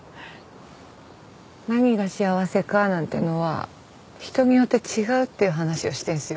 何が幸せかなんてのは人によって違うっていう話をしてんすよ